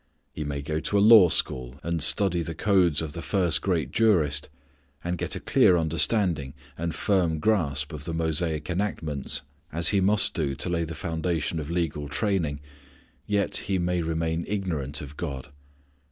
He may go to a law school and study the codes of the first great jurist, and get a clear understanding and firm grasp of the Mosaic enactments, as he must do to lay the foundation of legal training, yet he may remain ignorant of God.